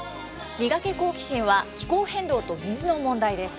ミガケ、好奇心！は、気候変動と水の問題です。